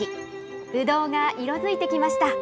ぶどうが色づいてきました。